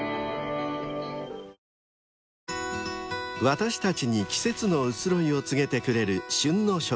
［私たちに季節の移ろいを告げてくれる］